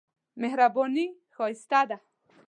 مهرباني ښايست ده.